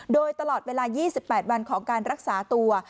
โดยตลอดเวลา๒๘วันของการรักษาตัว